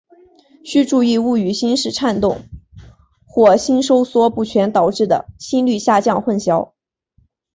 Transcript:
须注意勿与心室颤动或心收缩不全导致的心率下降混淆。